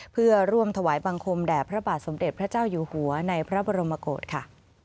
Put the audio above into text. เพื่อร่วมถวายบังคมแด่พระบาทสมเด็จพระเจ้าอยู่หัวในพระบรมโกศค่ะ